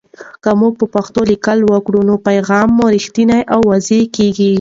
که موږ په پښتو ولیکو، نو پیغام مو رښتینی او واضح کېږي.